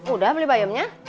udah beli bayamnya